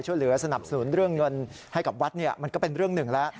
ช่วยเหลือสนับสนุนเรื่องเงินให้กับวัดมันก็เป็นเรื่องหนึ่งแล้ว